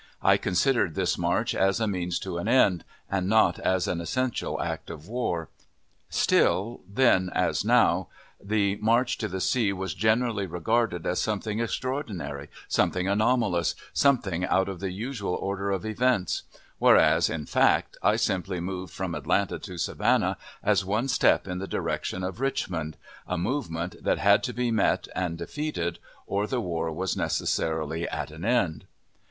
I considered this march as a means to an end, and not as an essential act of war. Still, then, as now, the march to the sea was generally regarded as something extraordinary, something anomalous, something out of the usual order of events; whereas, in fact, I simply moved from Atlanta to Savannah, as one step in the direction of Richmond, a movement that had to be met and defeated, or the war was necessarily at an end.